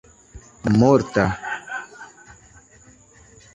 morta